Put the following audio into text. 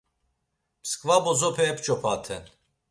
Mskva bozope ep̌ç̌opaten.